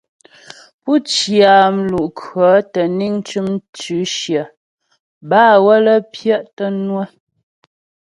Pú cyǎ mlu'kʉɔ̌ tə́ niŋ cʉm tʉ̌shyə bâ waə́lə́ pyɛ' tə́ ŋwə̌.